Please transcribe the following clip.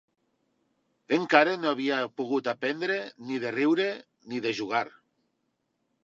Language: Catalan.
Encare no havia pogut aprendre ni de riure, ni de jugar